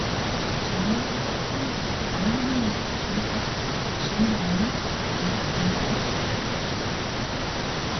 Gender budgeting ist die Anwendung des Grundsatzes des gender mainstreaming in den Haushaltsverfahren.